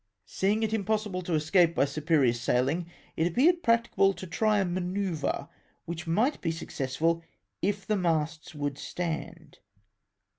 Seeing it impossible to escape by superior saihng, it appeared practicable to try a manoeuvre, which miglit be successful if the masts would stand.